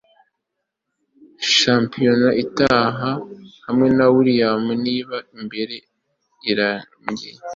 shampiyona itaha hamwe na Willian niba imbere irangije